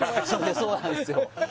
そうなんですよ